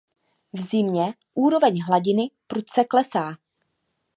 V zimě úroveň hladiny prudce klesá.